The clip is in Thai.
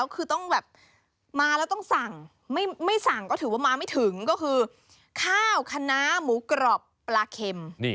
ก็คือข้าวคณะหมูกรอบปลาเข็ม